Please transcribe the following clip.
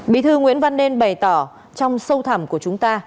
bí thư nguyễn văn nên bày tỏ trong sâu thẳm của chúng ta